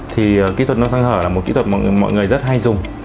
thì kỹ thuật nâng xoang hở là một kỹ thuật mà mọi người rất hay dùng